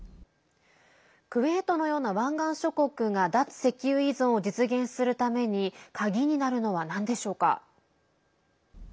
クウェートのような湾岸諸国が脱石油依存を実現するためにカギになるのはなんでしょうか。